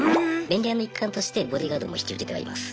便利屋の一環としてボディーガードも引き受けてはいます。